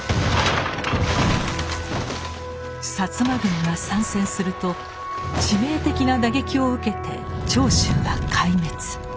摩軍が参戦すると致命的な打撃を受けて長州は壊滅。